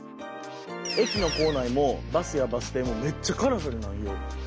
駅の構内もバスやバス停もめっちゃカラフルなんよ。